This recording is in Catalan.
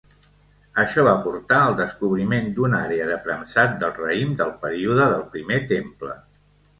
Això va portar al descobriment d'una àrea de premsat del raïm del període del Primer Temple.